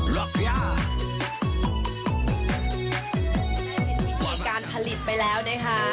มีพิเศษการผลิตไปแล้วนะคะ